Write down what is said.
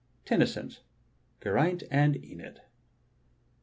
Tennyson's "Geraint and Enid."